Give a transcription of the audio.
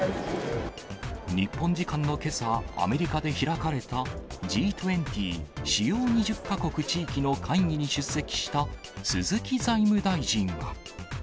日本時間のけさ、アメリカで開かれたＧ２０・主要２０か国・地域の会議に出席した鈴木財務大臣は。